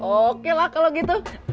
oke lah kalau gitu